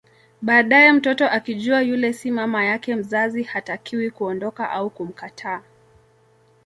Baadae mtoto akijua yule si mama yake mzazi hatakiwi kuondoka au kumkataa